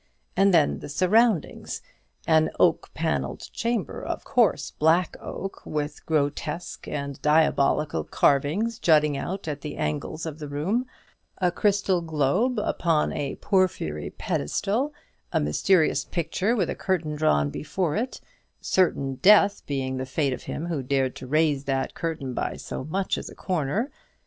And then the surroundings. An oak panelled chamber, of course black oak, with grotesque and diabolic carvings jutting out at the angles of the room; a crystal globe upon a porphyry pedestal; a mysterious picture, with a curtain drawn before it certain death being the fate of him who dared to raise that curtain by so much as a corner.